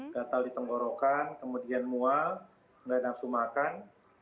gatal ditenggorokan kemudian mual tidak langsung makan